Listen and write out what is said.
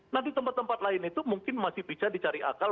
nah di tempat tempat lain itu mungkin masih bisa dicari akal